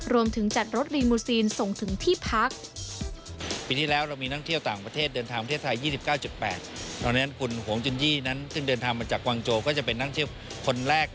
รวมถึงจัดรถรีมูศีลส่งถึงที่พัก